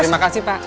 terima kasih pak